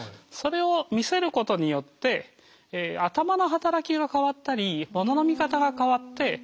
それを見せることによって頭の働きが変わったりものの見方が変わって。